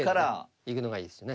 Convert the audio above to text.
行くのがいいですよね。